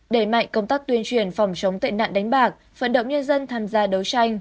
đẩy mạnh công tác tuyên truyền phòng chống tệ nạn đánh bạc vận động nhân dân tham gia đấu tranh